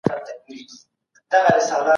هر څه باید اجتماعي سي.